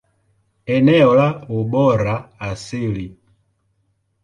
Eneo la ubora asili.